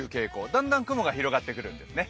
だんだん雲が広がってくるんです。